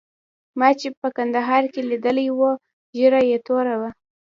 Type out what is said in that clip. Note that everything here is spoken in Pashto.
ما چې په کندهار کې لیدلی وو ږیره یې توره وه.